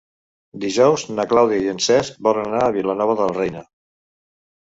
Dijous na Clàudia i en Cesc volen anar a Vilanova de la Reina.